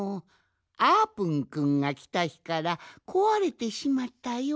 あーぷんくんがきたひからこわれてしまったようじゃ。